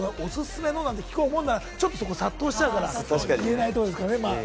おすすめの何て聞こうもんなら、そこに殺到しちゃうから言えないところですかね。